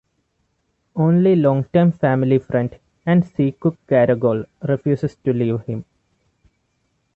Only longtime family friend and sea cook Caragol refuses to leave him.